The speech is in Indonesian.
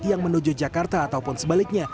yang menuju jakarta ataupun sebaliknya